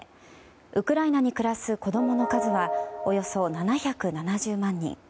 ウクライナに暮らす子供の数はおよそ７７０万人。